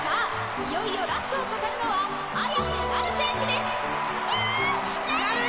いよいよラストを飾るのは彩瀬なる選手です！